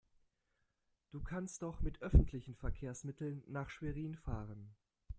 Du kannst doch mit öffentlichen Verkehrsmitteln nach Schwerin fahren